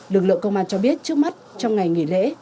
lực lượng công an cho biết trước mắt trong ngày nghỉ lễ